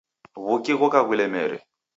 Wuki ghoka ghulemere